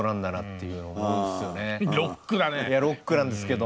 いやロックなんですけど。